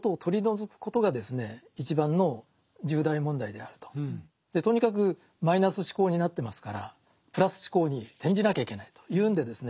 だからとにかくマイナス思考になってますからプラス思考に転じなきゃいけないというんでですね